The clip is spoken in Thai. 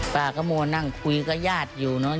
ป้าก็มานั่งคุยกับญาติอยู่เนอะ